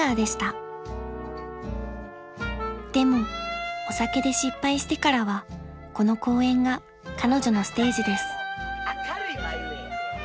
［でもお酒で失敗してからはこの公園が彼女のステージです］